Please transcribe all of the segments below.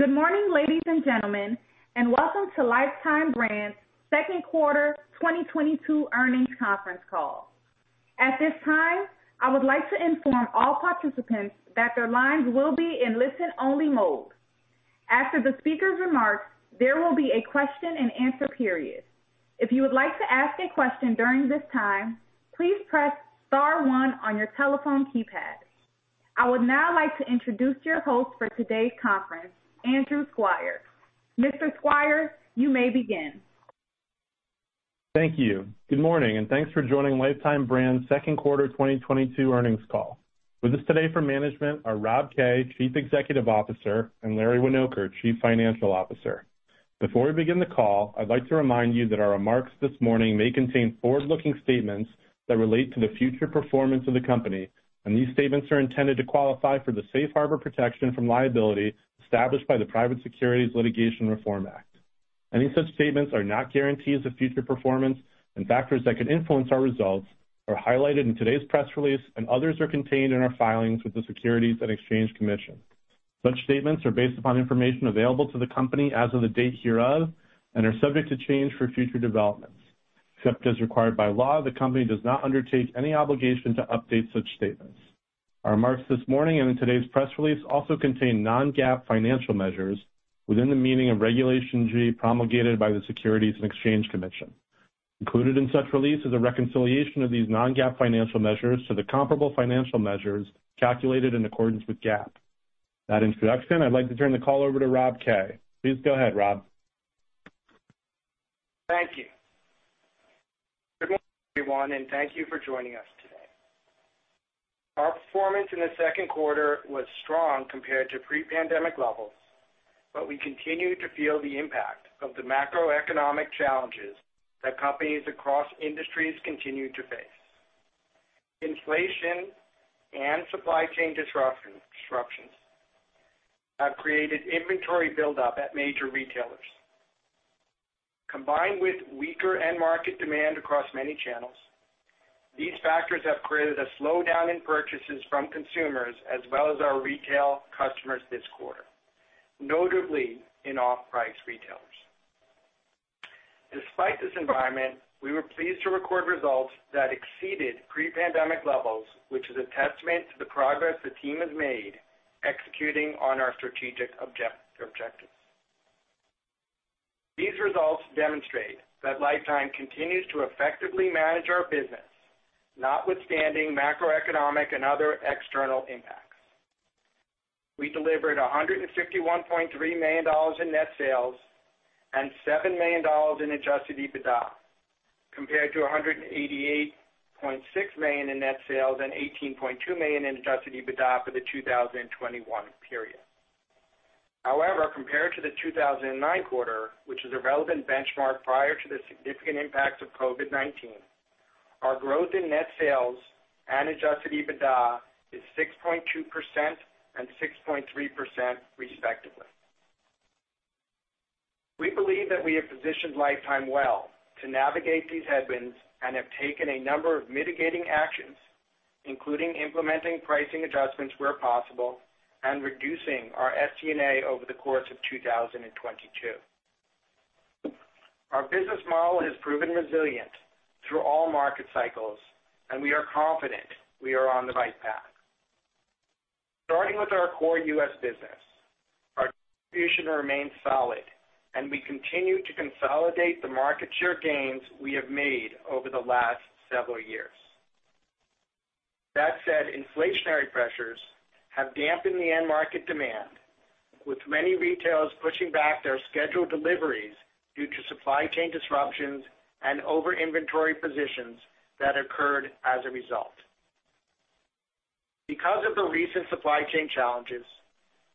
Good morning, ladies and gentlemen, and welcome to Lifetime Brands' Second Quarter 2022 Earnings Conference Call. At this time, I would like to inform all participants that their lines will be in listen-only mode. After the speaker's remarks, there will be a question-and-answer period. If you would like to ask a question during this time, please press star one on your telephone keypad. I would now like to introduce your host for today's conference, Andrew Squire. Mr. Squire, you may begin. Thank you. Good morning, and thanks for joining Lifetime Brands' Second Quarter 2022 Earnings Call. With us today for management are Rob Kay, Chief Executive Officer, and Larry Winoker, Chief Financial Officer. Before we begin the call, I'd like to remind you that our remarks this morning may contain forward-looking statements that relate to the future performance of the company, and these statements are intended to qualify for the safe harbor protection from liability established by the Private Securities Litigation Reform Act. Any such statements are not guarantees of future performance, and factors that could influence our results are highlighted in today's press release, and others are contained in our filings with the Securities and Exchange Commission. Such statements are based upon information available to the company as of the date hereof and are subject to change for future developments. Except as required by law, the company does not undertake any obligation to update such statements. Our remarks this morning and in today's press release also contain non-GAAP financial measures within the meaning of Regulation G promulgated by the Securities and Exchange Commission. Included in such release is a reconciliation of these non-GAAP financial measures to the comparable financial measures calculated in accordance with GAAP. With that introduction, I'd like to turn the call over to Rob Kay. Please go ahead, Rob. Thank you. Good morning, everyone, and thank you for joining us today. Our performance in the second quarter was strong compared to pre-pandemic levels. We continue to feel the impact of the macroeconomic challenges that companies across industries continue to face. Inflation and supply chain disruptions have created inventory buildup at major retailers. Combined with weaker end market demand across many channels, these factors have created a slowdown in purchases from consumers as well as our retail customers this quarter, notably in off-price retailers. Despite this environment, we were pleased to record results that exceeded pre-pandemic levels, which is a testament to the progress the team has made executing on our strategic objectives. These results demonstrate that Lifetime continues to effectively manage our business notwithstanding macroeconomic and other external impacts. We delivered $151.3 million in net sales and $7 million in Adjusted EBITDA, compared to $188.6 million in net sales and $18.2 million in Adjusted EBITDA for the 2021 period. However, compared to the 2009 quarter, which is a relevant benchmark prior to the significant impacts of COVID-19, our growth in net sales and Adjusted EBITDA is 6.2% and 6.3% respectively. We believe that we have positioned Lifetime well to navigate these headwinds and have taken a number of mitigating actions, including implementing pricing adjustments where possible and reducing our SG&A over the course of 2022. Our business model has proven resilient through all market cycles, and we are confident we are on the right path. Starting with our core U.S. business, our distribution remains solid, and we continue to consolidate the market share gains we have made over the last several years. That said, inflationary pressures have dampened the end market demand, with many retailers pushing back their scheduled deliveries due to supply chain disruptions and over inventory positions that occurred as a result. Because of the recent supply chain challenges,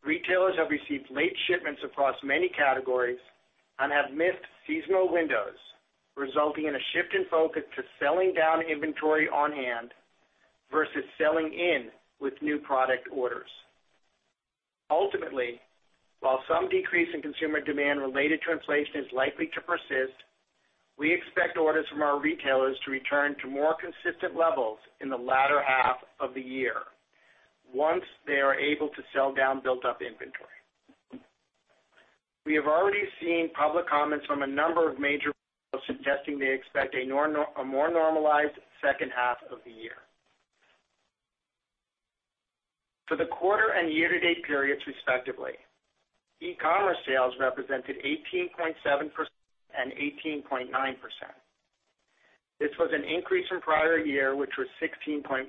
retailers have received late shipments across many categories and have missed seasonal windows, resulting in a shift in focus to selling down inventory on hand versus selling in with new product orders. Ultimately, while some decrease in consumer demand related to inflation is likely to persist, we expect orders from our retailers to return to more consistent levels in the latter half of the year once they are able to sell down built up inventory. We have already seen public comments from a number of major retailers suggesting they expect a more normalized second half of the year. For the quarter and year to date periods, respectively, e-commerce sales represented 18.7% and 18.9%. This was an increase from prior year, which was 16.1%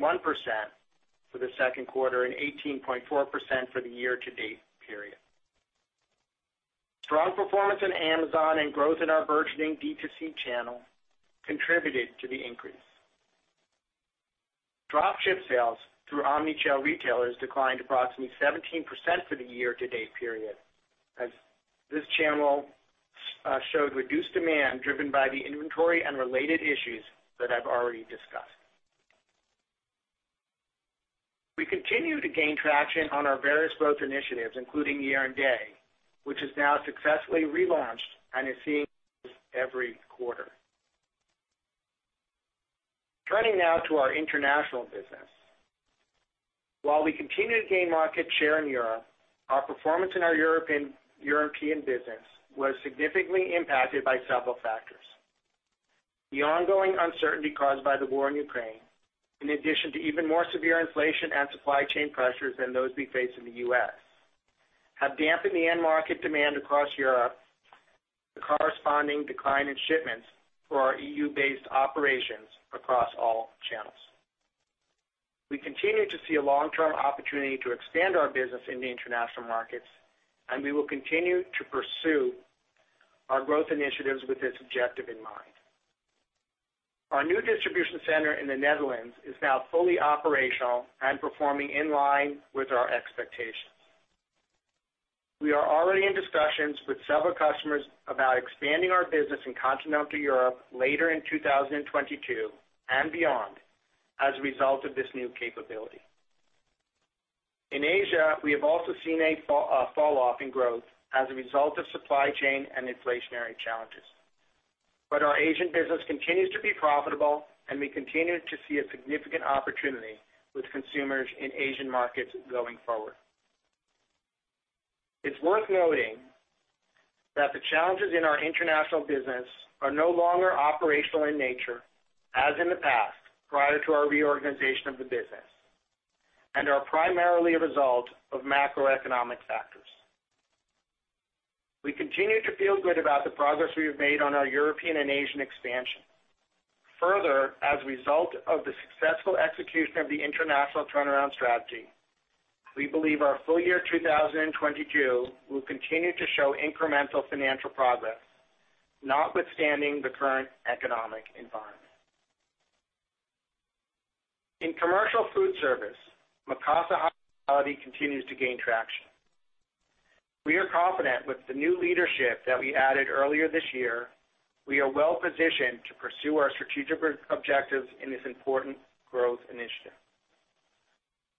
for the second quarter and 18.4% for the year to date period. Strong performance in Amazon and growth in our burgeoning D2C channel contributed to the increase. Drop ship sales through omni-channel retailers declined approximately 17% for the year to date period, as this channel showed reduced demand driven by the inventory and related issues that I've already discussed. We continue to gain traction on our various growth initiatives, including Year & Day, which is now successfully relaunched and is seeing growth every quarter. Turning now to our international business. While we continue to gain market share in Europe, our performance in our European business was significantly impacted by several factors. The ongoing uncertainty caused by the war in Ukraine, in addition to even more severe inflation and supply chain pressures than those we face in the U.S., have dampened the end market demand across Europe, the corresponding decline in shipments for our E.U.-based operations across all channels. We continue to see a long-term opportunity to expand our business in the international markets, and we will continue to pursue our growth initiatives with this objective in mind. Our new distribution center in the Netherlands is now fully operational and performing in line with our expectations. We are already in discussions with several customers about expanding our business in continental Europe later in 2022 and beyond as a result of this new capability. In Asia, we have also seen a falloff in growth as a result of supply chain and inflationary challenges. Our Asian business continues to be profitable, and we continue to see a significant opportunity with consumers in Asian markets going forward. It's worth noting that the challenges in our international business are no longer operational in nature as in the past, prior to our reorganization of the business, and are primarily a result of macroeconomic factors. We continue to feel good about the progress we have made on our European and Asian expansion. Further, as a result of the successful execution of the international turnaround strategy, we believe our full year 2022 will continue to show incremental financial progress, notwithstanding the current economic environment. In Commercial Food Service, Mikasa Hospitality continues to gain traction. We are confident with the new leadership that we added earlier this year. We are well-positioned to pursue our strategic objectives in this important growth initiative.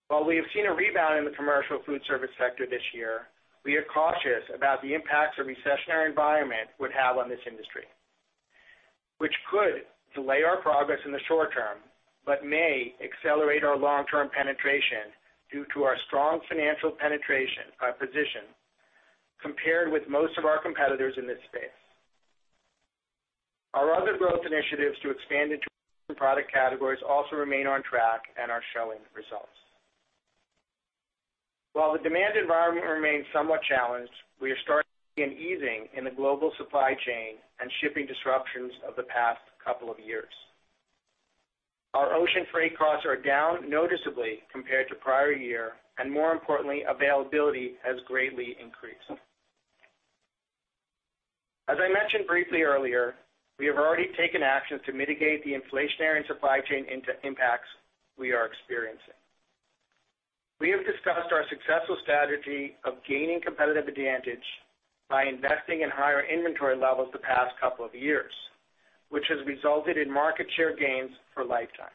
While we have seen a rebound in the commercial food service sector this year, we are cautious about the impacts a recessionary environment would have on this industry, which could delay our progress in the short term but may accelerate our long-term penetration due to our strong financial position compared with most of our competitors in this space. Our other growth initiatives to expand into product categories also remain on track and are showing results. While the demand environment remains somewhat challenged, we are starting to see an easing in the global supply chain and shipping disruptions of the past couple of years. Our ocean freight costs are down noticeably compared to prior year, and more importantly, availability has greatly increased. As I mentioned briefly earlier, we have already taken actions to mitigate the inflationary and supply chain interruptions we are experiencing. We have discussed our successful strategy of gaining competitive advantage by investing in higher inventory levels the past couple of years, which has resulted in market share gains for Lifetime.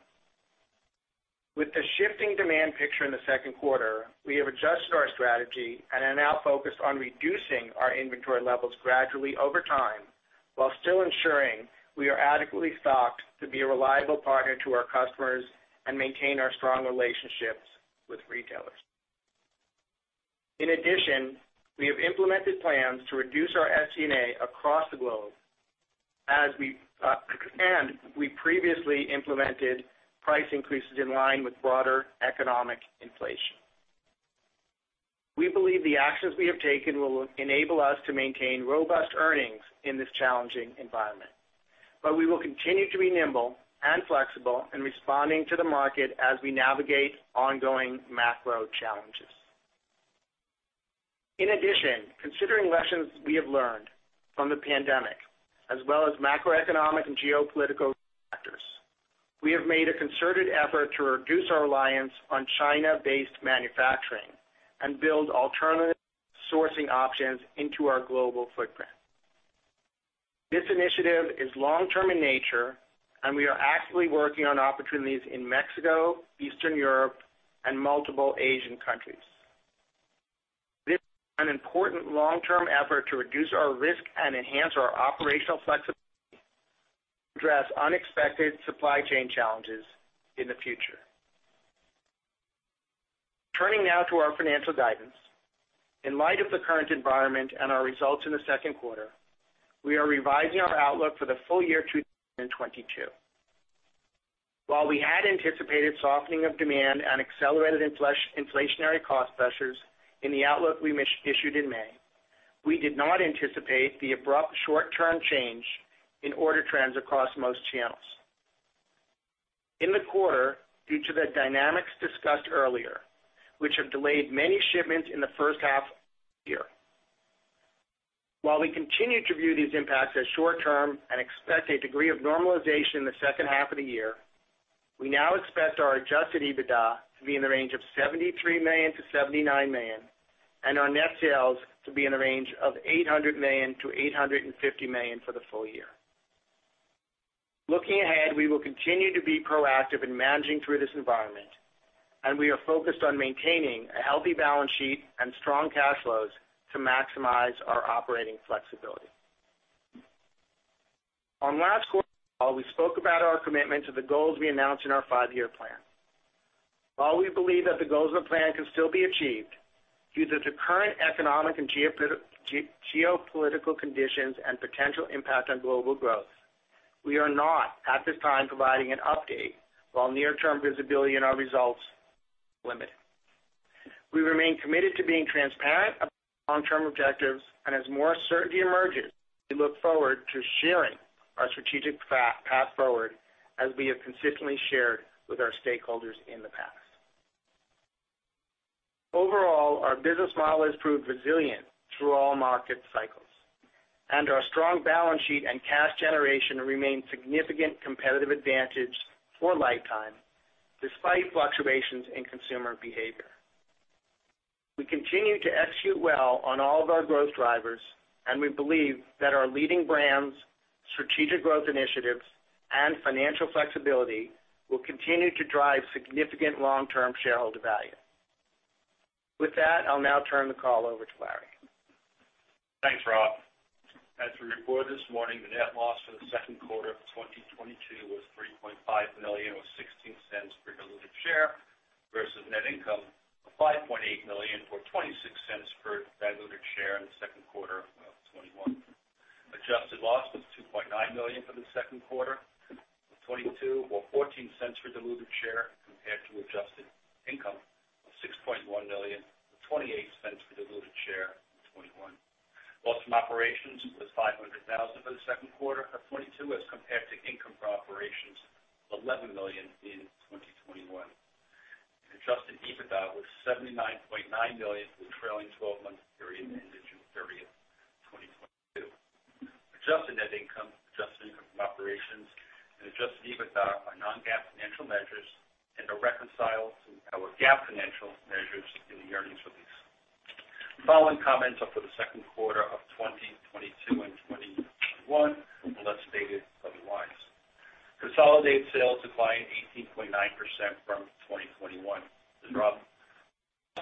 With the shifting demand picture in the second quarter, we have adjusted our strategy and are now focused on reducing our inventory levels gradually over time while still ensuring we are adequately stocked to be a reliable partner to our customers and maintain our strong relationships with retailers. In addition, we have implemented plans to reduce our SG&A across the globe as we, and we previously implemented price increases in line with broader economic inflation. We believe the actions we have taken will enable us to maintain robust earnings in this challenging environment, but we will continue to be nimble and flexible in responding to the market as we navigate ongoing macro challenges. In addition, considering lessons we have learned from the pandemic, as well as macroeconomic and geopolitical factors, we have made a concerted effort to reduce our reliance on China-based manufacturing and build alternative sourcing options into our global footprint. This initiative is long-term in nature, and we are actively working on opportunities in Mexico, Eastern Europe, and multiple Asian countries. This is an important long-term effort to reduce our risk and enhance our operational flexibility to address unexpected supply chain challenges in the future. Turning now to our financial guidance. In light of the current environment and our results in the second quarter, we are revising our outlook for the full year 2022. While we had anticipated softening of demand and accelerated inflationary cost pressures in the outlook we issued in May, we did not anticipate the abrupt short-term change in order trends across most channels. In the quarter, due to the dynamics discussed earlier, which have delayed many shipments in the first half year. While we continue to view these impacts as short-term and expect a degree of normalization in the second half of the year, we now expect our Adjusted EBITDA to be in the range of $73 million-$79 million and our net sales to be in the range of $800 million-$850 million for the full year. Looking ahead, we will continue to be proactive in managing through this environment, and we are focused on maintaining a healthy balance sheet and strong cash flows to maximize our operating flexibility. On last quarter's call, we spoke about our commitment to the goals we announced in our five-year plan. While we believe that the goals of the plan can still be achieved, due to the current economic and geopolitical conditions and potential impact on global growth, we are not, at this time, providing an update while near-term visibility in our results is limited. We remain committed to being transparent about long-term objectives, and as more certainty emerges, we look forward to sharing our strategic path forward as we have consistently shared with our stakeholders in the past. Overall, our business model has proved resilient through all market cycles, and our strong balance sheet and cash generation remain significant competitive advantage for Lifetime despite fluctuations in consumer behavior. We continue to execute well on all of our growth drivers, and we believe that our leading brands, strategic growth initiatives, and financial flexibility will continue to drive significant long-term shareholder value. With that, I'll now turn the call over to Larry. Thanks, Rob. As we reported this morning, the net loss for the second quarter of 2022 was $3.5 million, or $0.16 per diluted share, versus net income of $5.8 million, or $0.26 per diluted share in the second quarter of 2021. Adjusted loss was $2.9 million for the second quarter of 2022, or $0.14 per diluted share compared to adjusted income of $6.1 million, or $0.28 per diluted share in 2021. Loss from operations was $500,000 for the second quarter of 2022 as compared to income from operations of $11 million in 2021. Adjusted EBITDA was $79.9 million for the trailing twelve-month period that ended June 30th, 2022. Adjusted net income, adjusted income from operations, and Adjusted EBITDA are non-GAAP financial measures and are reconciled to our GAAP financial measures in the earnings release. The following comments are for the second quarter of 2022 and 2021, unless stated otherwise. Consolidated sales declined 18.9% from 2021. The drop,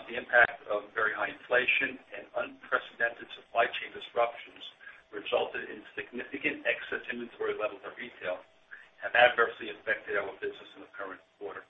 the impact of very high inflation and unprecedented supply chain disruptions resulted in significant excess inventory levels in retail have adversely affected our business in the current quarter.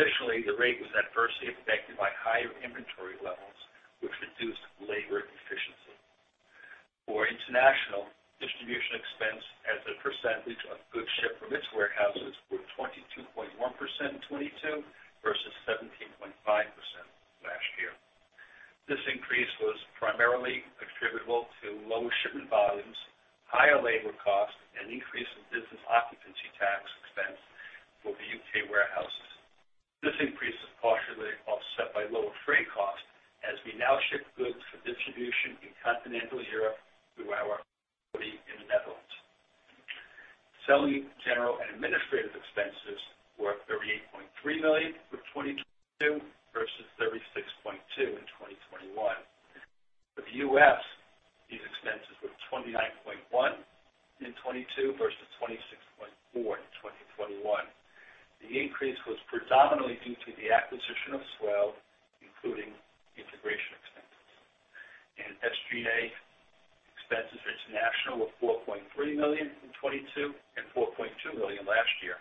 Additionally, the rate was adversely affected by higher inventory levels, which reduced labor efficiency. For international, distribution expense as a percentage of goods shipped from its warehouses were 22.1% in 2022 versus 17.5% last year. This increase was primarily attributable to lower shipment volumes, higher labor costs, and an increase in business occupancy tax expense for the U.K. warehouses. This increase is partially offset by lower freight costs as we now ship goods for distribution in continental Europe through our facility in the Netherlands. Selling, general, and administrative expenses were $38.3 million for 2022 versus $36.2 million in 2021. For the U.S., these expenses were $29.1 million in 2022 versus $26.4 million in 2021. The increase was predominantly due to the acquisition of S'well, including integration expenses. SG&A expenses international were $4.3 million in 2022 and $4.2 million last year.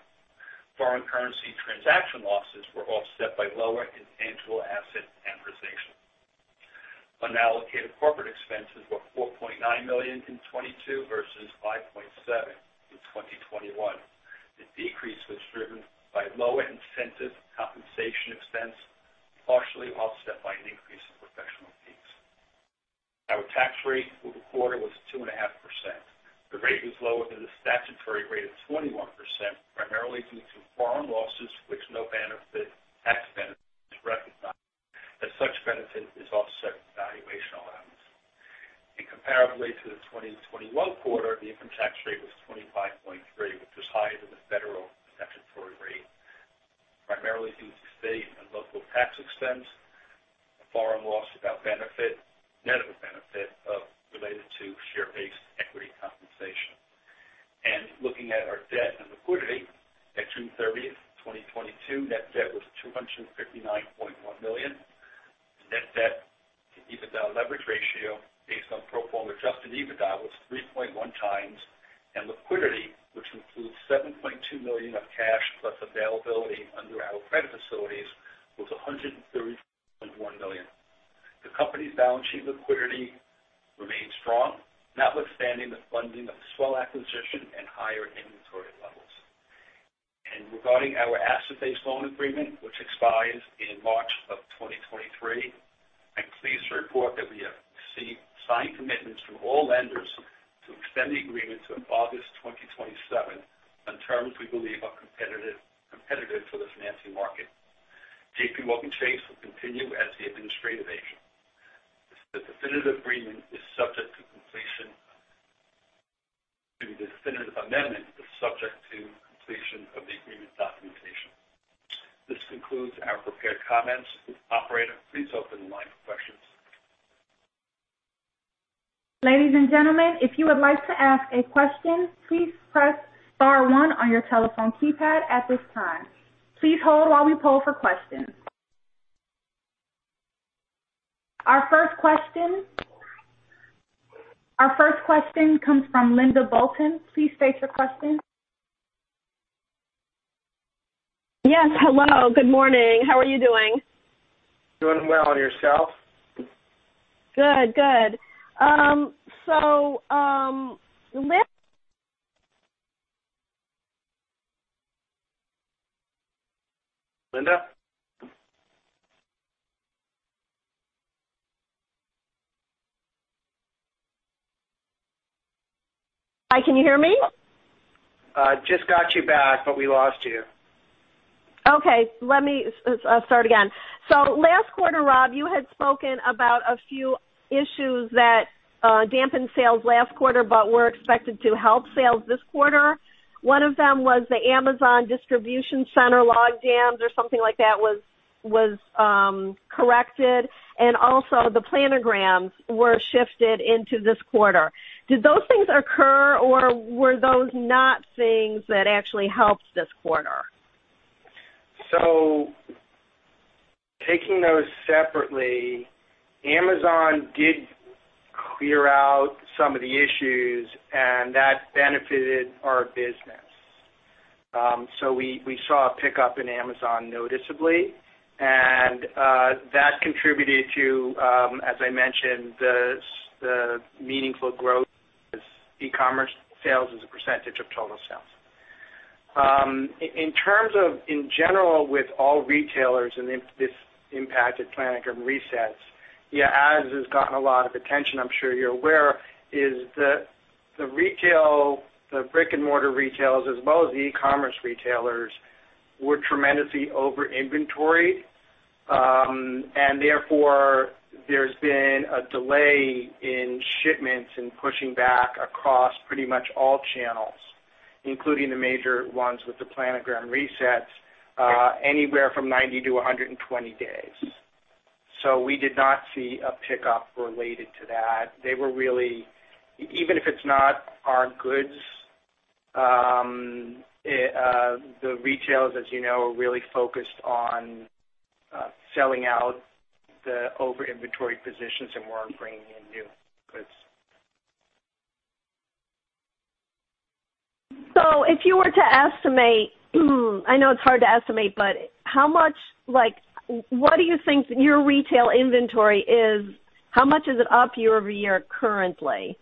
Foreign currency transaction losses were offset by lower intangible asset amortization. Unallocated corporate expenses were $4.9 million in 2022 versus $5.7 million in 2021. The decrease was driven by lower incentive compensation expense, partially offset by an increase in professional fees. Our tax rate for the quarter was 2.5%. The rate was lower than the statutory rate of 21%, primarily due to foreign losses for which no tax benefit is recognized, as such benefit is offset by valuation allowance. In comparison to the 2021 quarter, the income tax rate was 25.3%, which was higher than the federal statutory rate, primarily due to state and local tax expense, foreign loss without benefit, net of benefit related to share-based equity compensation. Looking at our debt and liquidity at June 30th, 2022, net debt was $259.1 million. Net debt to EBITDA leverage ratio based on pro forma Adjusted EBITDA was 3.1x. Liquidity, which includes $7.2 million of cash plus availability under our credit facilities, was $130.1 million. The company's balance sheet liquidity remains strong, notwithstanding the funding of the S'well acquisition and higher inventory levels. Regarding our asset-based loan agreement, which expires in March of 2023, I'm pleased to report that we have received signed commitments from all lenders to extend the agreement to August 2027 on terms we believe are competitive for the financing market. JPMorgan Chase will continue as the administrative agent. The definitive agreement is subject to completion. The definitive amendment is subject to completion of the agreement documentation. This concludes our prepared comments. Operator, please open the line for questions. Ladies and gentlemen, if you would like to ask a question, please press star one on your telephone keypad at this time. Please hold while we poll for questions. Our first question comes from Linda Bolton Weiser. Please state your question. Yes. Hello. Good morning. How are you doing? Doing well. Yourself? Good. Linda? Hi, can you hear me? Just got you back, but we lost you. Okay, let me start again. Last quarter, Rob, you had spoken about a few issues that dampened sales last quarter, but were expected to help sales this quarter. One of them was the Amazon distribution center log jams or something like that was corrected, and also the planograms were shifted into this quarter. Did those things occur, or were those not things that actually helped this quarter? Taking those separately, Amazon did clear out some of the issues, and that benefited our business. We saw a pickup in Amazon noticeably, and that contributed to, as I mentioned, the meaningful growth of e-commerce sales as a percentage of total sales. In terms of in general with all retailers and this impacted planogram resets, yeah, as has gotten a lot of attention, I'm sure you're aware, is the retail, the brick-and-mortar retailers as well as the e-commerce retailers were tremendously over-inventoried. And therefore, there's been a delay in shipments and pushing back across pretty much all channels, including the major ones with the planogram resets, anywhere from 90-120 days. We did not see a pickup related to that. They were really. Even if it's not our goods, the retailers, as you know, are really focused on selling out the over inventory positions and weren't bringing in new goods. If you were to estimate, I know it's hard to estimate, but how much like what do you think your retail inventory is? How much is it up year-over-year currently?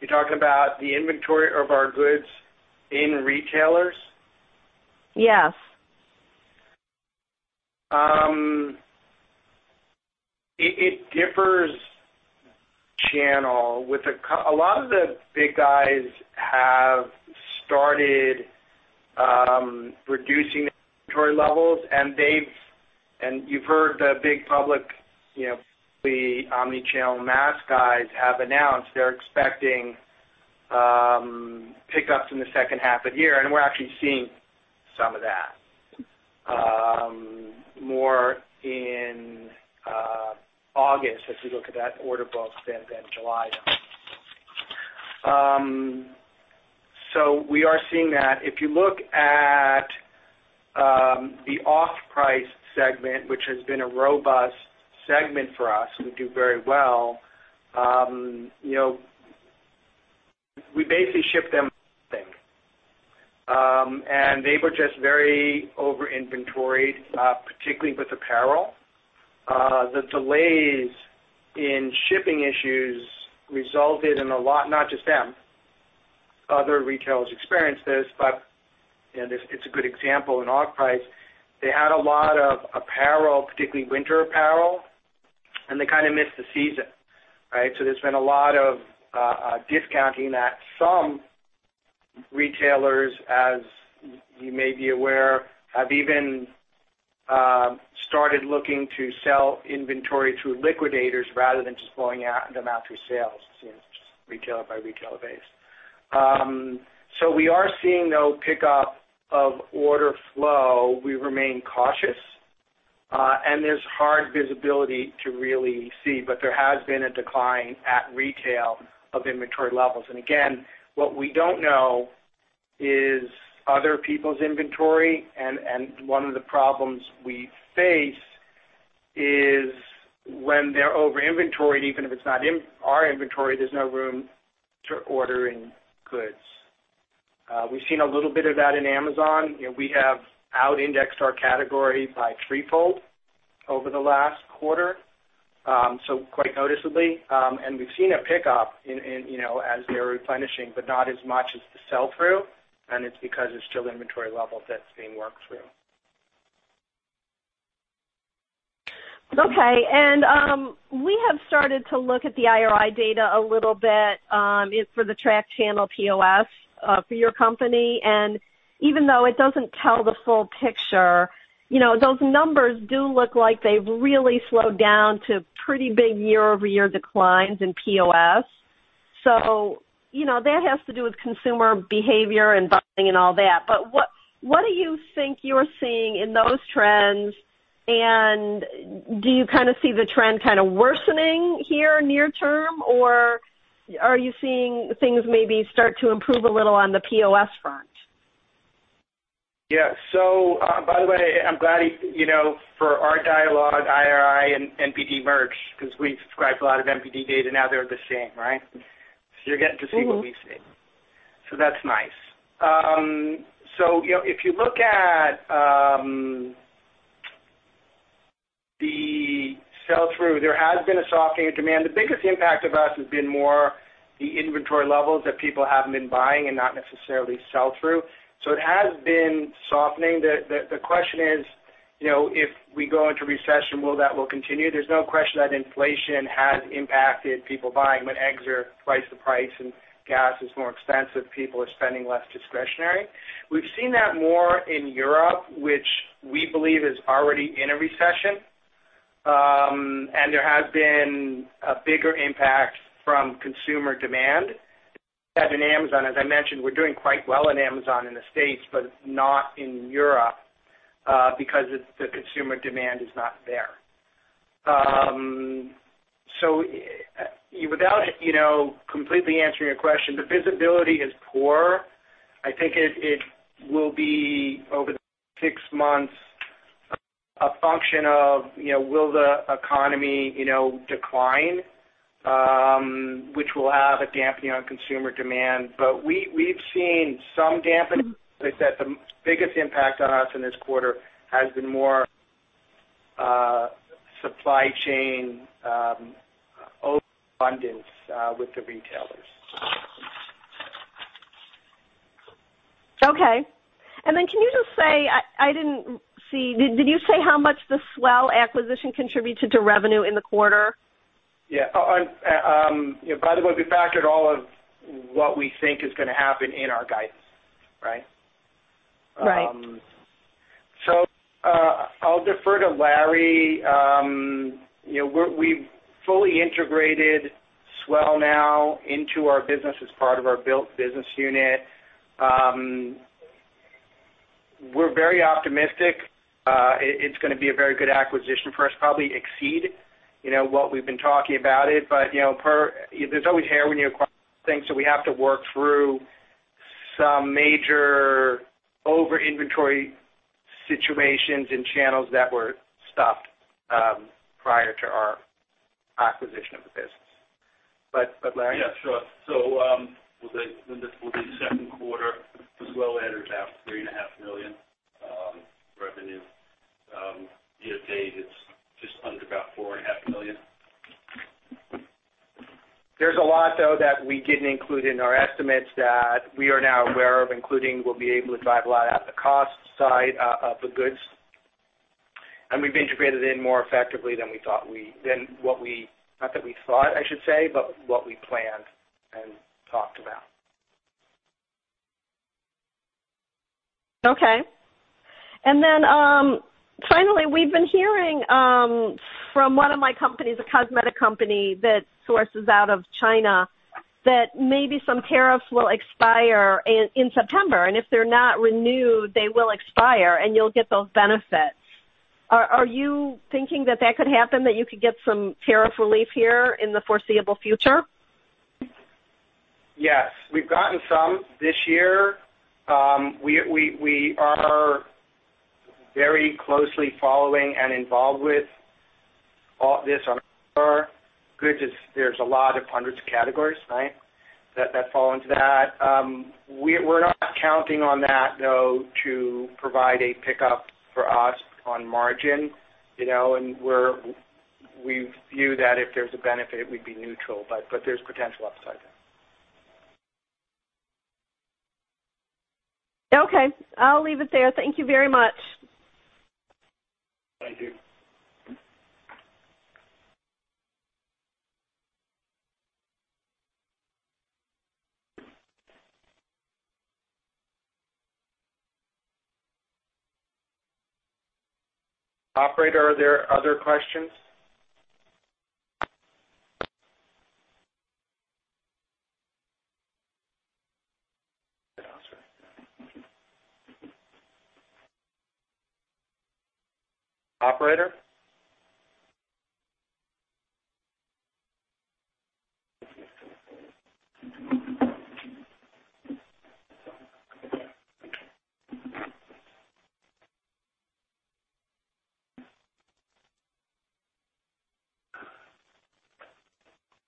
You're talking about the inventory of our goods in retailers? Yes. It differs by channel. A lot of the big guys have started reducing their inventory levels, and you've heard the big public, you know, the omni-channel mass guys have announced they're expecting pickups in the second half of the year, and we're actually seeing some of that more in August as we look at that order book than July. We are seeing that. If you look at the off-price segment, which has been a robust segment for us, we do very well. You know, we basically ship them. They were just very over-inventoried, particularly with apparel. The delays and shipping issues resulted in a lot, not just them. Other retailers experienced this, but you know, this, it's a good example in off-price. They had a lot of apparel, particularly winter apparel. They kind of missed the season, right? There's been a lot of discounting that some retailers, as you may be aware, have even started looking to sell inventory through liquidators rather than just blowing them out through sales, you know, just retailer by retailer basis. We are seeing, though, pickup of order flow. We remain cautious, and there's hard visibility to really see, but there has been a decline at retail of inventory levels. What we don't know is other people's inventory. One of the problems we face is when they're over-inventoried, even if it's not in our inventory, there's no room to order in goods. We've seen a little bit of that in Amazon. You know, we have outindexed our category by threefold over the last quarter, so quite noticeably. We've seen a pickup in, you know, as they're replenishing, but not as much as the sell-through, and it's because it's still inventory levels that's being worked through. Okay. We have started to look at the IRI data a little bit, it's for the trade channel POS, for your company. Even though it doesn't tell the full picture, you know, those numbers do look like they've really slowed down to pretty big year-over-year declines in POS. You know, that has to do with consumer behavior and buying and all that. What do you think you're seeing in those trends? Do you kinda see the trend kinda worsening here near term, or are you seeing things maybe start to improve a little on the POS front? By the way, I'm glad, you know, for our dialogue, IRI and NPD merged because we subscribed to a lot of NPD data. Now they're the same, right? You're getting to see what we see. That's nice. You know, if you look at the sell-through, there has been a softening of demand. The biggest impact on us has been more the inventory levels that people haven't been buying and not necessarily sell-through. It has been softening. The question is, you know, if we go into recession, will that continue? There's no question that inflation has impacted people buying. When eggs are twice the price and gas is more expensive, people are spending less discretionary. We've seen that more in Europe, which we believe is already in a recession. There has been a bigger impact from consumer demand than in Amazon. As I mentioned, we're doing quite well in Amazon in the States, but not in Europe, because the consumer demand is not there. Without, you know, completely answering your question, the visibility is poor. I think it will be over the six months a function of, you know, will the economy, you know, decline, which will have a dampening on consumer demand. We've seen some dampening. Like I said, the biggest impact on us in this quarter has been more supply chain abundance with the retailers. Okay. I didn't see. Did you say how much the S'well acquisition contributed to revenue in the quarter? Yeah. You know, by the way, we factored all of what we think is gonna happen in our guidance, right? Right. I'll defer to Larry. You know, we've fully integrated S'well now into our business as part of our branded business unit. We're very optimistic. It's gonna be a very good acquisition for us, probably exceed, you know, what we've been talking about it. You know, there's always hair when you acquire things, so we have to work through some major over-inventory situations and channels that were stuffed prior to our acquisition of the business. Larry? Yeah, sure. With the second quarter as well enters about $3.5 million revenue. Year to date, it's just under about $4.5 million. There's a lot, though, that we didn't include in our estimates that we are now aware of, including we'll be able to drive a lot out of the cost of the goods. We've integrated in more effectively than we thought, not that we thought, I should say, but what we planned and talked about. Okay. Then, finally, we've been hearing from one of my companies, a cosmetic company that sources out of China, that maybe some tariffs will expire in September, and if they're not renewed, they will expire and you'll get those benefits. Are you thinking that could happen, that you could get some tariff relief here in the foreseeable future? Yes. We've gotten some this year. We are very closely following and involved with all this on our goods. There's a lot of hundreds of categories, right, that fall into that. We're not counting on that, though, to provide a pickup for us on margin, you know. We view that if there's a benefit, we'd be neutral, but there's potential upside there. Okay, I'll leave it there. Thank you very much. Thank you. Operator, are there other questions? Operator?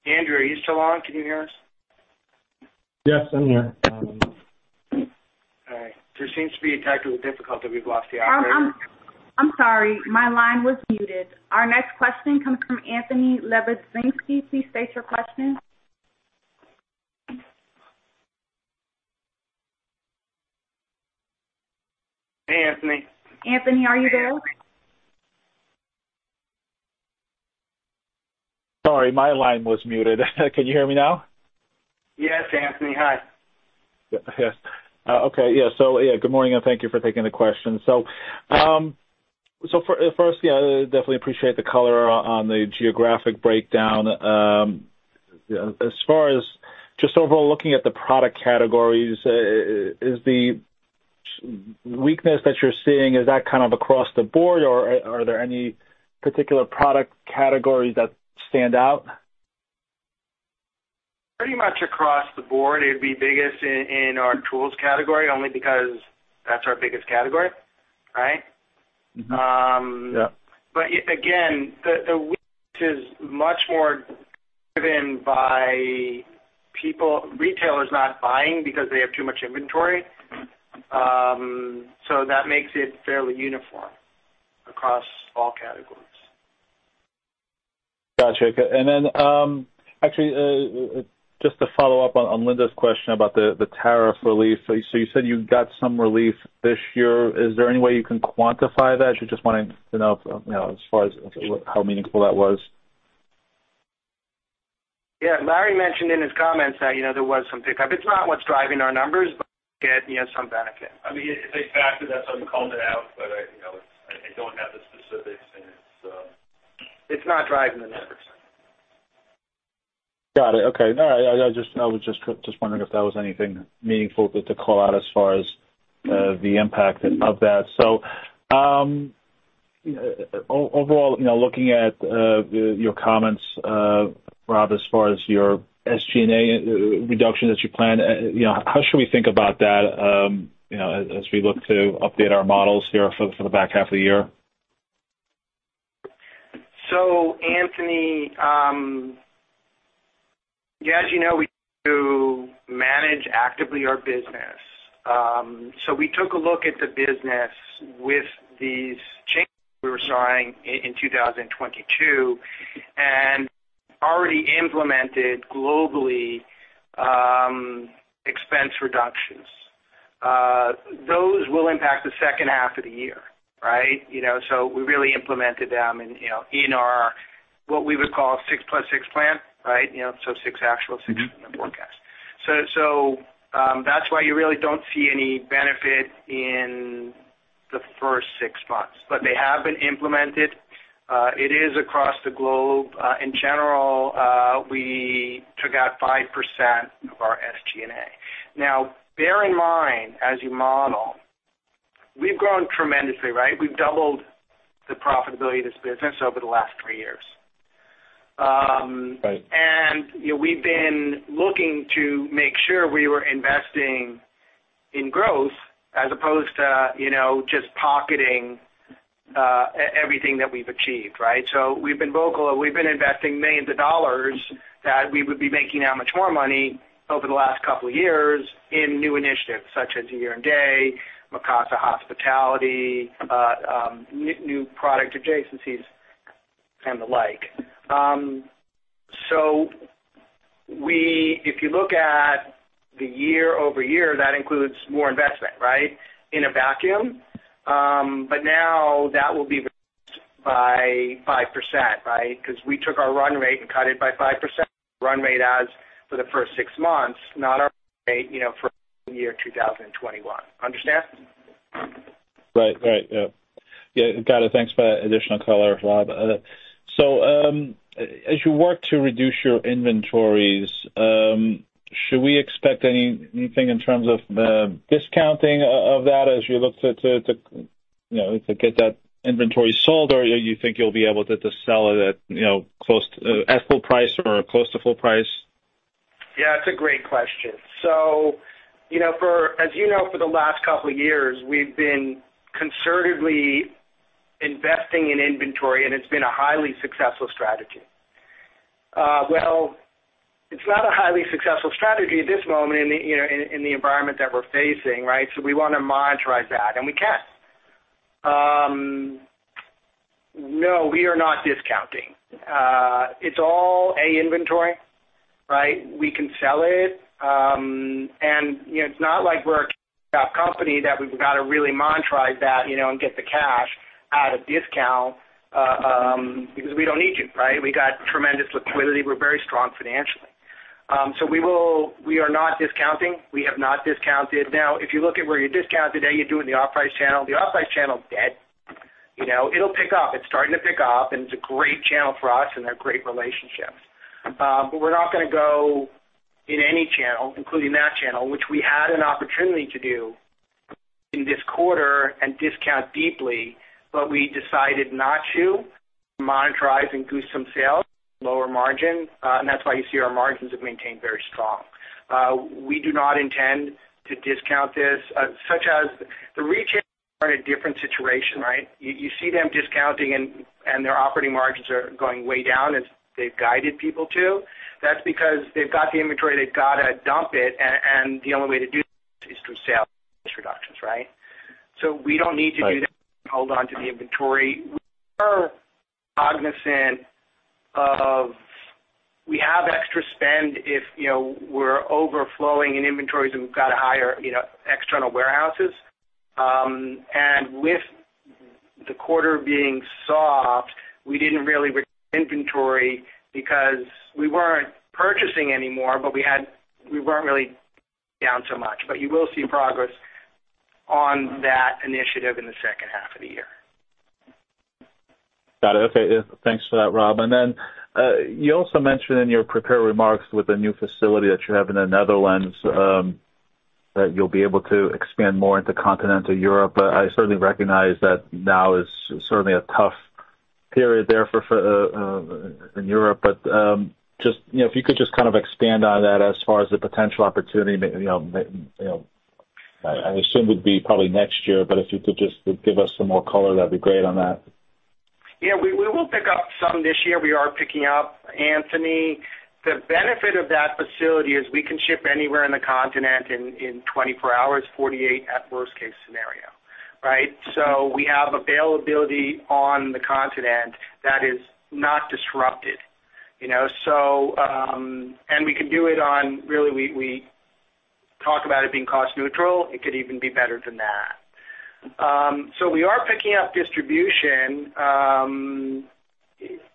Andrew, are you still on? Can you hear us? Yes, I'm here. All right. There seems to be a technical difficulty. We've lost the operator. I'm sorry. My line was muted. Our next question comes from Anthony Lebiedzinski. Please state your question. Hey, Anthony. Anthony, are you there? Sorry, my line was muted. Can you hear me now? Yes, Anthony. Hi. Yes. Okay, yeah. Good morning, and thank you for taking the question. Firstly, I definitely appreciate the color on the geographic breakdown. As far as just overall looking at the product categories, is the weakness that you're seeing, is that kind of across the board, or are there any particular product categories that stand out? Pretty much across the board. It'd be biggest in our tools category only because that's our biggest category, right? Mm-hmm. Yeah. Again, this is much more driven by retailers not buying because they have too much inventory. That makes it fairly uniform across all categories. Gotcha. Okay. Actually, just to follow up on Linda's question about the tariff relief. You said you got some relief this year. Is there any way you can quantify that? You're just wanting to know, you know, as far as how meaningful that was. Yeah. Larry mentioned in his comments that, you know, there was some pickup. It's not what's driving our numbers, but, you know, some benefit. I mean, it's a factor. That's why we called it out. You know, it's. I don't have the specifics, and it's. It's not driving the numbers. Got it. Okay. No, I was just wondering if that was anything meaningful to call out as far as the impact of that. Overall, you know, looking at your comments, Rob, as far as your SG&A reduction that you plan, you know, how should we think about that, you know, as we look to update our models here for the back half of the year? Anthony, as you know, we do manage actively our business. We took a look at the business with these changes we were seeing in 2022 and already implemented globally, expense reductions. Those will impact the second half of the year, right? You know, we really implemented them in, you know, in our, what we would call six + six plan, right? You know, six actual, six in the forecast. That's why you really don't see any benefit in the first six months. They have been implemented. It is across the globe. In general, we took out 5% of our SG&A. Now, bear in mind, as you model, we've grown tremendously, right? We've doubled the profitability of this business over the last three years. Right. You know, we've been looking to make sure we were investing in growth as opposed to, you know, just pocketing everything that we've achieved, right? We've been vocal, and we've been investing millions of dollars that we would be making that much more money over the last couple of years in new initiatives such as Year & Day, Mikasa Hospitality, new product adjacencies and the like. If you look at the year-over-year, that includes more investment, right? In a vacuum. Now that will be reduced by 5%, right? Because we took our run rate and cut it by 5%. Run rate as of the first six months, not our run rate, you know, for year 2021. Understand? Right. Yeah, got it. Thanks for that additional color, Rob. As you work to reduce your inventories, should we expect anything in terms of the discounting of that as you look to, you know, to get that inventory sold? Or you think you'll be able to sell it at, you know, at full price or close to full price? Yeah, it's a great question. You know, as you know, for the last couple of years, we've been conservatively investing in inventory, and it's been a highly successful strategy. Well, it's not a highly successful strategy at this moment in, you know, the environment that we're facing, right? We wanna monetize that, and we can. No, we are not discounting. It's all A inventory, right? We can sell it. You know, it's not like we're a company that we've gotta really monetize that, you know, and get the cash at a discount, because we don't need to, right? We got tremendous liquidity. We're very strong financially. We are not discounting. We have not discounted. Now, if you look at where you discount today, you do it in the off-price channel. The off-price channel's dead. You know, it'll pick up. It's starting to pick up, and it's a great channel for us, and they're great relationships. We're not gonna go in any channel, including that channel, which we had an opportunity to do in this quarter and discount deeply, but we decided not to monetize and goose some sales, lower margin, and that's why you see our margins have maintained very strong. We do not intend to discount this, such as the retailers are in a different situation, right? You see them discounting and their operating margins are going way down as they've guided people to. That's because they've got the inventory, they've gotta dump it, and the only way to do that is through sales reductions, right? We don't need to do that. We can hold on to the inventory. We are cognizant of, we have extra spend if, you know, we're overflowing in inventories and we've got to hire, you know, external warehouses. With the quarter being soft, we didn't really inventory because we weren't purchasing any more, but we weren't really down so much. You will see progress on that initiative in the second half of the year. Got it. Okay. Thanks for that, Rob. You also mentioned in your prepared remarks with the new facility that you have in the Netherlands, that you'll be able to expand more into continental Europe. I certainly recognize that now is certainly a tough period there for in Europe. Just, you know, if you could just kind of expand on that as far as the potential opportunity, you know, that, you know, I assume would be probably next year, but if you could just give us some more color, that'd be great on that. Yeah, we will pick up some this year. We are picking up, Anthony. The benefit of that facility is we can ship anywhere in the continent in 24 hours, 48 at worst case scenario, right? We have availability on the continent that is not disrupted, you know. We can do it on really we talk about it being cost neutral, it could even be better than that. We are picking up distribution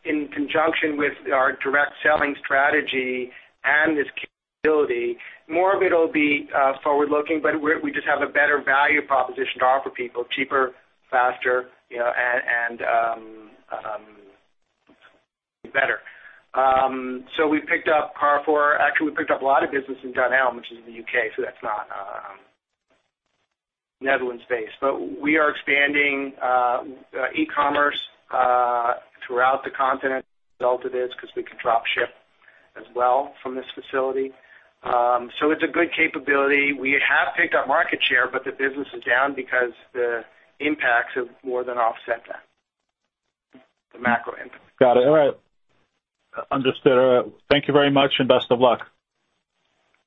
in conjunction with our direct selling strategy and this capability. More of it'll be forward-looking, but we just have a better value proposition to offer people cheaper, faster, you know, better. We picked up Carrefour. Actually, we picked up a lot of business in Dunelm, which is in the UK, so that's not Netherlands-based. We are expanding e-commerce throughout the continent because of this, because we can drop ship as well from this facility. It's a good capability. We have picked up market share, but the business is down because the impacts have more than offset that, the macro impact. Got it. All right. Understood. Thank you very much and best of luck.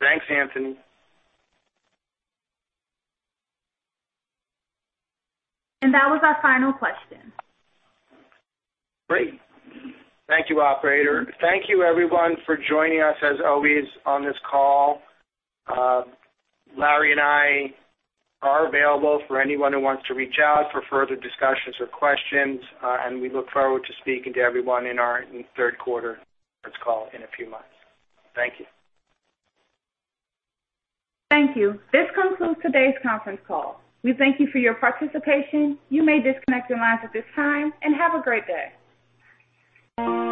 Thanks, Anthony. That was our final question. Great. Thank you, operator. Thank you everyone for joining us as always on this call. Larry and I are available for anyone who wants to reach out for further discussions or questions, and we look forward to speaking to everyone in our third quarter earnings call in a few months. Thank you. Thank you. This concludes today's conference call. We thank you for your participation. You may disconnect your lines at this time, and have a great day.